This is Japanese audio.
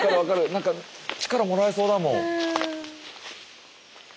何か力もらえそうだもん。